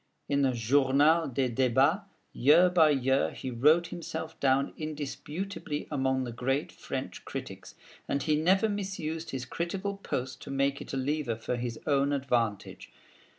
In the Journal des Débats, year by year, he wrote himself down indisputably among the great French critics; and he never misused his critical post to make it a lever for his own advantage.